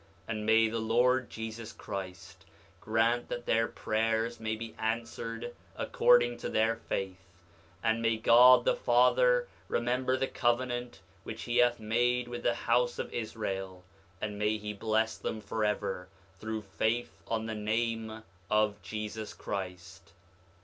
9:37 And may the Lord Jesus Christ grant that their prayers may be answered according to their faith; and may God the Father remember the covenant which he hath made with the house of Israel; and may he bless them forever, through faith on the name of Jesus Christ.